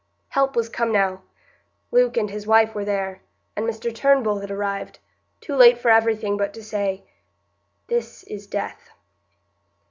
Help was come now; Luke and his wife were there, and Mr Turnbull had arrived, too late for everything but to say, "This is death."